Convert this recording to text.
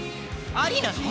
ありなの？